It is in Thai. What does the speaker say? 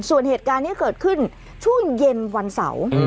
ส่วนเหตุการณ์นี้เกิดขึ้นช่วงเย็นวันเสาร์